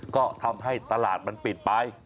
ก็ทำให้ตลาดมันปิดไป